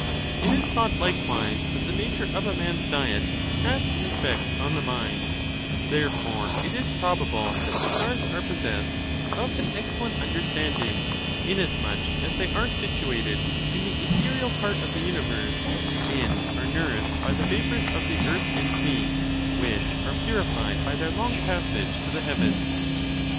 It is thought likewise that the nature of a man's diet has an efEect on the mind ; therefore it is probable that the stars are possessed of an excellent understanding, inasmuch as they are situated in the ethereal part of the univei'se, and are nourished by the vapors of the earth and sea, which are purified by their long passage to the heav ens.